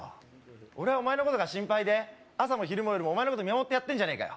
俺はお前のことが心配で朝も昼も夜もお前のこと見守ってやってんじゃねえかよ